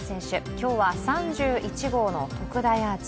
今日は３１号の特大アーチ。